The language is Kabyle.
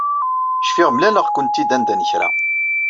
Cfiɣ mlaleɣ-kent-id anda n kra.